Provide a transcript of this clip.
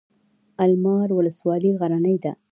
المار ولسوالۍ غرنۍ ده؟